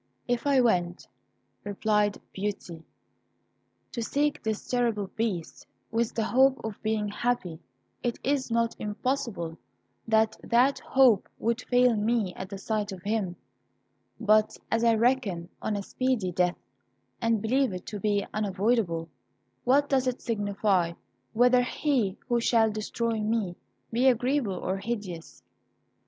"If I went," replied Beauty, "to seek this terrible Beast with the hope of being happy, it is not impossible that that hope would fail me at the sight of him; but as I reckon on a speedy death, and believe it to be unavoidable, what does it signify whether he who shall destroy me be agreeable or hideous."